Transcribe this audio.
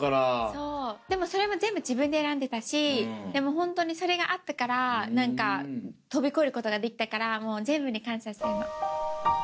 そうでもそれも全部自分で選んでたしホントにそれがあったから飛び越えることができたから全部に感謝してるの。